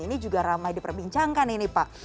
ini juga ramai diperbincangkan ini pak